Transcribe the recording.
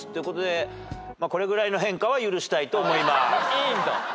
・いいんだ。